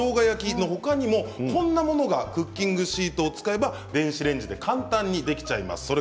焼きのほかにもこんなものがクッキングシートを使えば電子レンジで簡単にできちゃいます。